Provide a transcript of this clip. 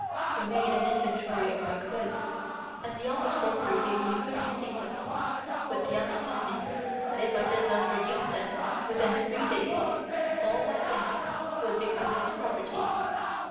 We made an inventory of my clothes, and the honest broker gave me thirty sequins, with the understanding that if I did not redeem them within three days all my things would become his property.